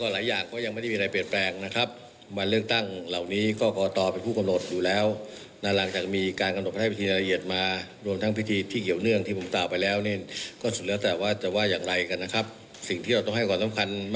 ส่วนสุดพิเศษงานต่ำคัญสำหรับคนไทยและประเทศไทย